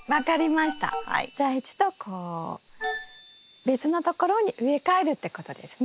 じゃあ一度別のところに植え替えるってことですね。